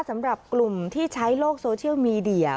สำหรับกลุ่มที่ใช้โลกโซเชียลมีเดีย